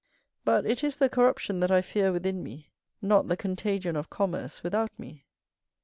But it is the corruption that I fear within me; not the contagion of commerce without me.